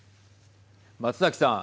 松崎さん。